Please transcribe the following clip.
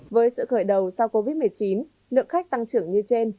với sự khởi đầu sau covid một mươi chín lượng khách tăng trưởng như trên